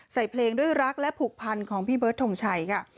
ใส่เพลงด้วยรักและผูกพันของพี่เบิร์ดทงชัยค่ะ